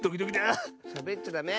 しゃべっちゃダメ！